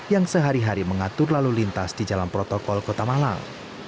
yang sehari hari mengatur lalu lintas di jalan protokol kota malang